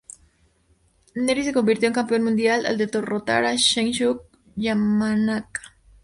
Nery se convirtió en campeón mundial al derrotar a Shinsuke Yamanaka.